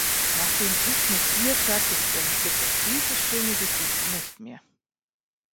Nachdem ich mit dir fertig bin, gibt es dieses schöne Gesicht nicht mehr.